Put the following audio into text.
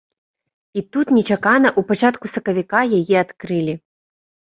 І тут нечакана ў пачатку сакавіка яе адкрылі.